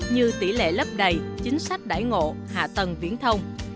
như tỉ lệ lớp đầy chính sách đải ngộ hạ tầng viễn thông